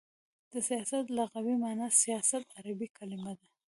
د سیاست لغوی معنا : سیاست عربی کلمه ده.